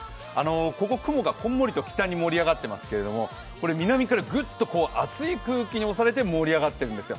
ここ雲がこんもりと北に盛り上がってますが南からぐっと熱い空気に押されて盛り上がってるんですよ。